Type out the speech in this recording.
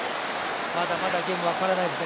まだまだゲーム分からないですよ。